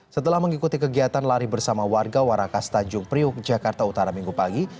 setelah mengikuti kegiatan lari bersama warga warakas tanjung priuk jakarta utara minggu pagi